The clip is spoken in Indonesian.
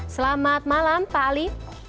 selamat malam pak ali